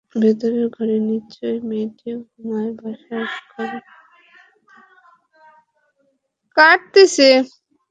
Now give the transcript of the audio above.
ভেতরের ঘরে নিশ্চয়ই মেয়েটি ঘুমায় বসার ঘরে থাকেন অম্বিকীবাবু!